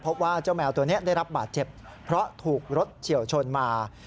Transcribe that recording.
พบว่าเจ้าแมวตัวนี้ได้รับบาดเจ็บเพราะถูกรถเฉียวชนมา